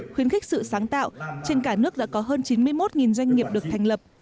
khuyến khích sự sáng tạo trên cả nước đã có hơn chín mươi một doanh nghiệp được thành lập